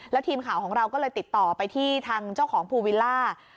แล้วทีมข่าวของเราก็เลยติดต่อไปที่ทางเจ้าของภูวิลล่า